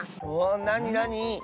なになに？